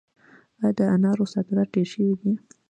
آیا د انارو صادرات ډیر شوي دي؟